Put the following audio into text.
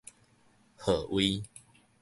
號位